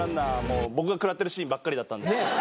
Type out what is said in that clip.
もう僕が食らってるシーンばっかりだったんですけど。